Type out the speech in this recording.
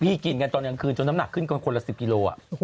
กินกันตอนกลางคืนจนน้ำหนักขึ้นก็คนละ๑๐กิโล